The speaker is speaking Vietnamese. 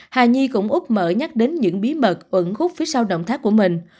hà nhi cũng nhắc đến những bí mật ẩn khúc phía sau động thác của mình